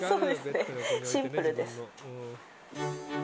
シンプルです。